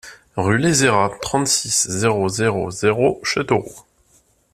Rue Lézerat, trente-six, zéro zéro zéro Châteauroux